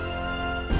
ya allah papa